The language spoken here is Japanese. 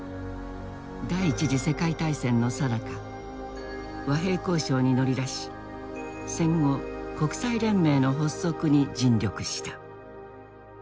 第一次世界大戦のさなか和平交渉に乗り出し戦後国際連盟の発足に尽力した。